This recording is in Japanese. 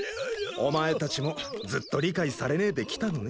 お前たちもずっと理解されねえできたのね。